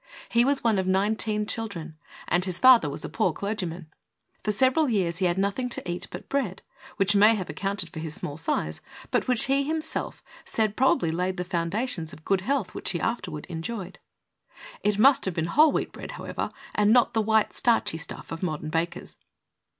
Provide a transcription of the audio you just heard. He was one of nineteen children, and his father was a poor clergy man. For several years he had nothing to eat but bread, which may have accounted for his small size, but which he himself said probably laid the foundations of good health which he afterward enjoyed. It must have been whole wheat bread, however, and not the white, starchy stuff of modern bakers.